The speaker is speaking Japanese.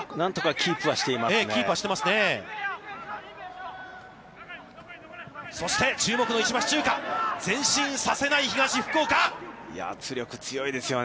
キープはしていますね。